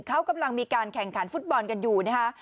เขากำลังมีการแข่งขันฟุตบอลกันอยู่นะคะ